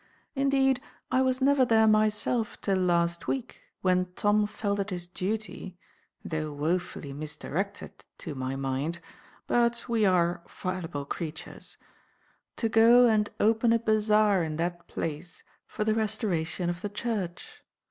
Indeed, I was never there myself till last week, when Tom felt it his duty (though woefully misdirected, to my mind, but we are fallible creatures) to go and open a bazaar in that place for the restoration of the church.